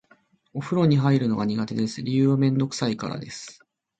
お風呂に入るのが苦手です。理由はめんどくさいからです。